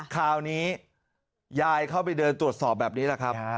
คราวนี้ยายเข้าไปเดินตรวจสอบแบบนี้แหละครับ